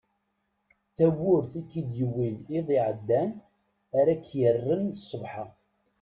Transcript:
D tawwurt ik-id-yewwin iḍ iɛeddan ara ak-yerren sbeḥ-a.